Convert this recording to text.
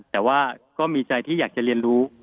แต่ว่าก็มีใจที่อยากจะเรียนรู้